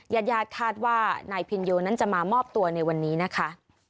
ญาติญาติคาดว่านายพินโยนั้นจะมามอบตัวในวันนี้นะคะ